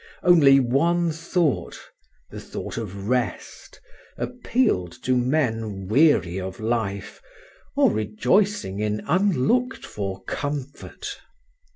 Only one thought the thought of rest appealed to men weary of life or rejoicing in unlooked for comfort.